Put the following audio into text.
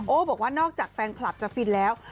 บอกว่านอกจากแฟนคลับจะฟินแล้ว